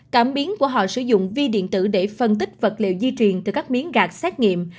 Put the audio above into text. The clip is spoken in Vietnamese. cảm biến của họ sử dụng vi điện tử để phân tích vật liệu di truyền từ các miếng gạt xét nghiệm